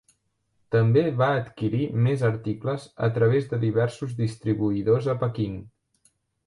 També va adquirir més articles a través de diversos distribuïdors a Pequín.